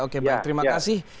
oke baik terima kasih